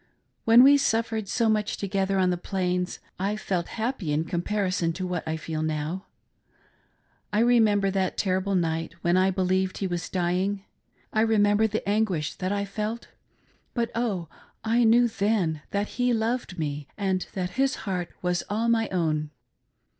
When we suffered so much together on the Plains, I felt happy in comparison with what I feel now. I remember that terrible night when I believed he was dying, — I. remember the anguish that I felt; but, oh, I knew then that he loved me and that his heart was all my own.